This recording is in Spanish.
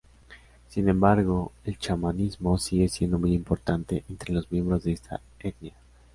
Sin embargo, el chamanismo sigue siendo muy importante entre los miembros de esta etnia.